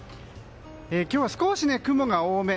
今日は少し雲が多め。